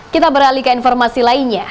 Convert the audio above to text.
kita beralih ke informasi lainnya